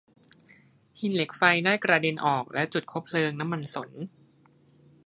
หินเหล็กไฟได้กระเด็นออกและจุดคบเพลิงน้ำมันสน